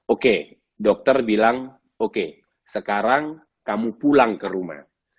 oke dokter bilang oke sekarang kamu pulang ke rumah